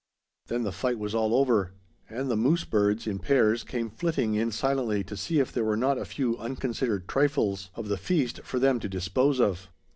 Then the fight was all over; and the moose birds, in pairs, came flitting in silently to see if there were not a few unconsidered trifles of the feast for them to dispose of.